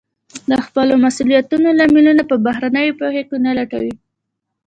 د خپلو مسوليتونو لاملونه په بهرنيو پېښو کې نه لټوي.